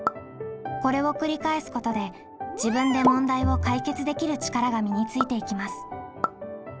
これを繰り返すことで自分で問題を解決できる力が身についていきます。